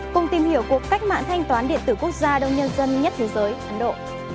cùng tìm hiểu cuộc cách mạng thanh toán điện tử quốc gia đông nhân dân nhất thế giới ấn độ